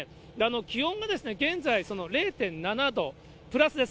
気温がですね、現在０．７度、プラスです。